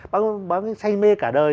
bác ấy say mê cả đời